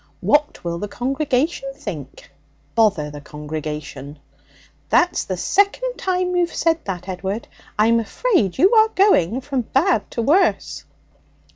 'What will the congregation think?' 'Bother the congregation!' 'That's the second time you've said that, Edward. I'm afraid you are going from bad to worse.'